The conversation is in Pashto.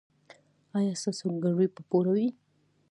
ایا ستاسو ګروي به پوره وي؟